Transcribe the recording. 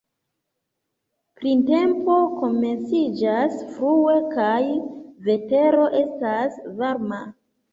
Printempo komenciĝas frue kaj vetero estas varma.